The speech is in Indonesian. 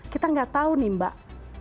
kita nggak tahu nih mbak